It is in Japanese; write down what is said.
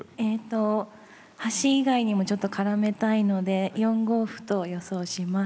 端以外にもちょっと絡めたいので４五歩と予想します。